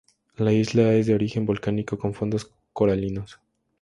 La isla es de origen volcánico, con fondos coralinos.